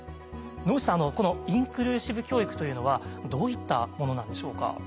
野口さんこのインクルーシブ教育というのはどういったものなんでしょうか？